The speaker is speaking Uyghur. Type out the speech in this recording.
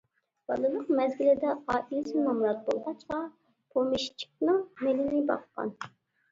بالىلىق مەزگىلىدە، ئائىلىسى نامرات بولغاچقا، پومېشچىكنىڭ مېلىنى باققان.